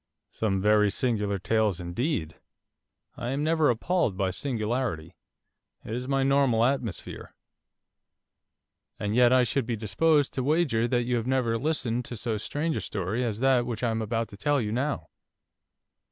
'Some very singular tales indeed. I am never appalled by singularity. It is my normal atmosphere.' 'And yet I should be disposed to wager that you have never listened to so strange a story as that which I am about to tell you now.